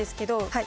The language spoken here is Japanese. はい